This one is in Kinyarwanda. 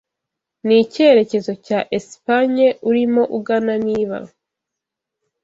Nicyerekezo cya Espagne urimo ugana niba